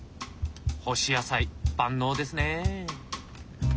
干し野菜万能ですね。